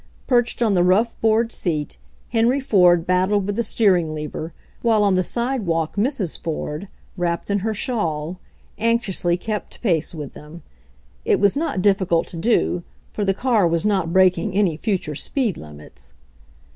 Perched on the rough board seat, Henry Ford battled with the steering lever, while on the sidewalk Mrs. Ford, wrapped in her shawl, anxiously kept pace with them. It was not difficult to do, for the car was not breaking any future speed limits.